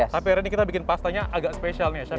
tapi hari ini kita bikin pastanya agak spesial nih chef